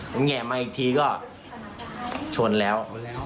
ผมแห่มาอีกทีก็ชนแล้ว